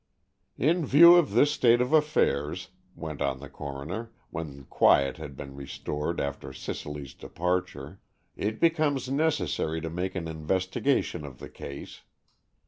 "In view of this state of affairs," went on the coroner, when quiet had been restored after Cicely's departure, "it becomes necessary to make an investigation of the case.